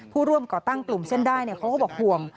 ผู้ร่วมก่อตั้งกลุ่มเส้นได้เขาก็บอกห่วง